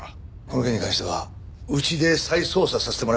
この件に関してはうちで再捜査させてもらえませんか？